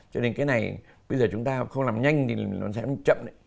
cho nên cái này bây giờ chúng ta không làm nhanh thì nó sẽ bị chậm đấy